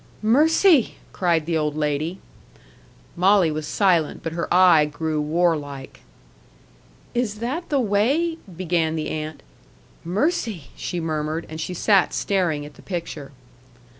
"Mercy!" cried the old lady. Molly was silent, but her eye grew warlike. "Is that the way " began the aunt. "Mercy!" she murmured; and she sat staring at the picture.